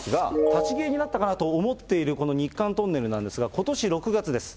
立ち消えになったかなと思ってる日韓トンネルなんですが、ことし６月です。